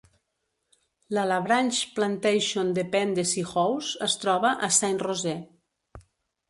La Labranche Plantation Dependency House es troba a Saint Rose.